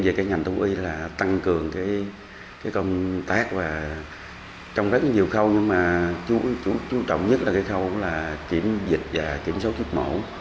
về cái ngành thú y là tăng cường cái công tác và trong rất nhiều khâu nhưng mà chú trọng nhất là cái khâu là kiểm dịch và kiểm soát giết mổ